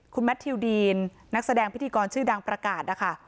คุณแมททิวดีนนักแสดงพิธีกรชื่อดังประกาศนะคะ